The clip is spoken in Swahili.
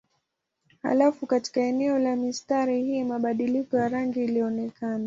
Halafu katika eneo la mistari hii mabadiliko ya rangi ilionekana.